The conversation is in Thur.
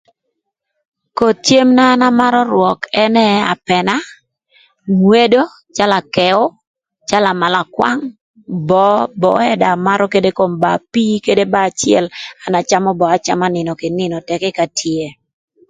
Koth cem na an amarö rwök ënë apëna, ngwedo calö akëü, calö amalakwang, böö, böö ënë dong da amarö kadë kom ba apii ba acël an acamö böö acama nïnö kï nïnö tëk ka tye.